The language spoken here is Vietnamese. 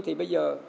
thì bây giờ